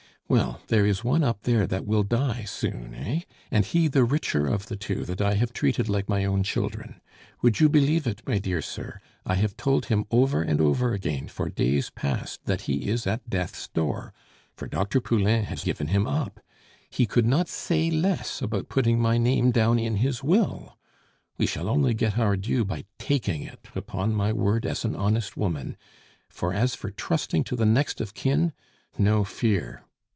Well, there is one up there that will die soon, eh? and he the richer of the two that I have treated like my own children. Would you believe it, my dear sir, I have told him over and over again for days past that he is at death's door (for Dr. Poulain has given him up), he could not say less about putting my name down in his will. We shall only get our due by taking it, upon my word, as an honest woman, for as for trusting to the next of kin! No fear!